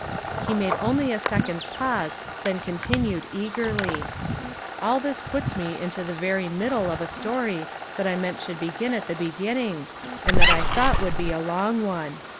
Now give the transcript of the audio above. He made only a second's pause then continued eagerly: "All this puts me into the very middle of a story that I meant should begin at the begin ning, and that I thought would be a long one.